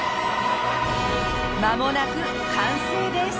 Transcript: まもなく完成です。